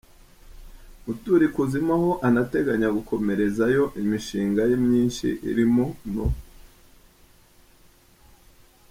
gutura ikuzimu aho anateganya gukomerezayo imishinga ye myinshi irimo no.